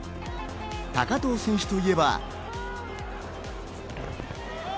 高藤選手といえば。